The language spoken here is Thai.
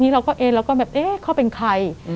เราก็เองแบบเอ๊เขาเป็นใคร